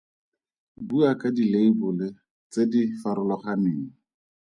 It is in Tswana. Bua ka ga dileibole tse di farologaneng.